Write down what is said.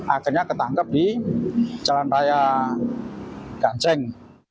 akhirnya ketangkep di jalan raya ganceng